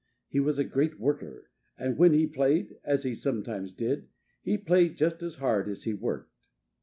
He was a great worker. And when he played as he sometimes did he played just as hard as he worked.